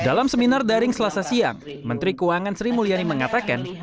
dalam seminar daring selasa siang menteri keuangan sri mulyani mengatakan